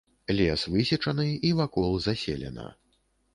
Лес высечаны, і вакол заселена.